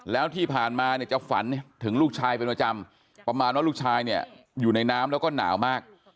แล้วที่ผ่านมาเนี่ยจะฝันถึงลูกชายเป็นประจำประมาณว่าลูกชายเนี่ยอยู่ในน้ำแล้วก็หนาวมาก